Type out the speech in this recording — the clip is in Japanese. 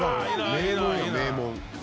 名門や名門。